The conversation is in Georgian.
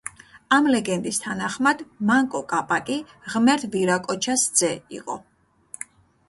ამ ლეგენდის თანახმად, მანკო კაპაკი ღმერთ ვირაკოჩას ძე იყო.